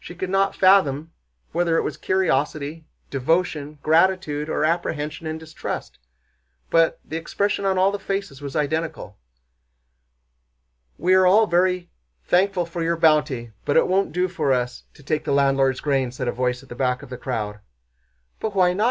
She could not fathom whether it was curiosity, devotion, gratitude, or apprehension and distrust—but the expression on all the faces was identical. "We are all very thankful for your bounty, but it won't do for us to take the landlord's grain," said a voice at the back of the crowd. "But why not?"